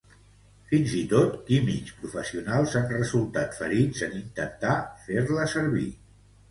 Fins i tot químics professionals han resultat ferits en intentar fer-la servir.